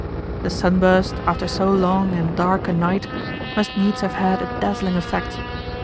The sunburst, after so long and dark a night, must needs have had a dazzling effect.